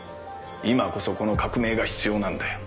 今こそこの革命が必要なんだよ。